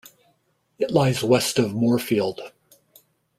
It lies west of Moorefield.